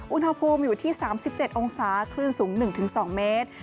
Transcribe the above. อุณหภูมิอยู่ที่๓๗องศาคลื่นสูง๑๒เมตร